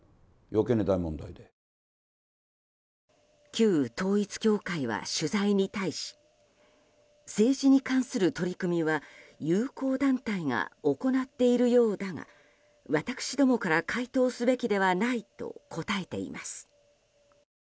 旧統一教会は取材に対し政治に関する取り組みは友好団体が行っているようだが私どもから回答すべきではないと答えています。